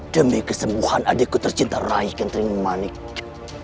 demi kesembuhan adikku tercinta raih gentring manik